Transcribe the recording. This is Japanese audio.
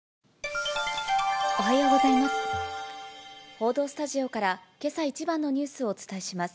報道スタジオから、けさ一番のニュースをお伝えします。